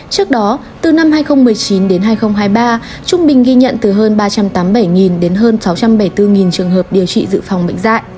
trước đó từ năm hai nghìn một mươi chín đến hai nghìn hai mươi ba trung bình ghi nhận từ hơn ba trăm tám mươi bảy đến hơn sáu trăm bảy mươi bốn trường hợp điều trị dự phòng bệnh dạy